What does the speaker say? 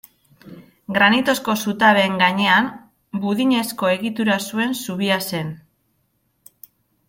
Granitozko zutabeen gainean budinezko egitura zuen zubia zen.